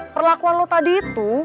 perlakuan lo tadi itu